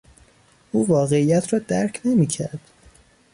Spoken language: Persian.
او واقعیت را درک نمیکرد.